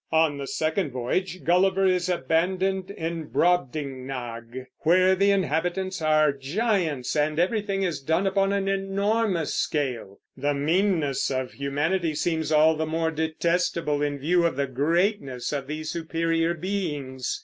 On the second voyage Gulliver is abandoned in Brobdingnag, where the inhabitants are giants, and everything is done upon an enormous scale. The meanness of humanity seems all the more detestable in view of the greatness of these superior beings.